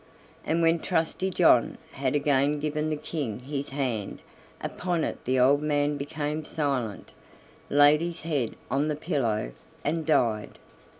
And when Trusty John had again given the King his hand upon it the old man became silent, laid his head on the pillow, and died.